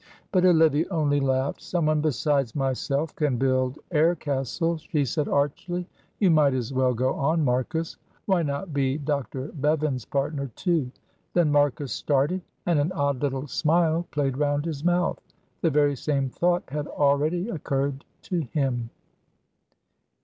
But Olivia only laughed. "Someone besides myself can build air castles," she said, archly. "You might as well go on, Marcus. Why not be Dr. Bevan's partner, too?" Then Marcus started, and an odd little smile played round his mouth. The very same thought had already occurred to him.